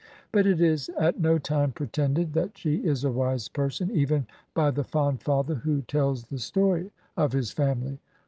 But it is at no time pretended that she is a wise person, even by the fond father who tells the story of his family.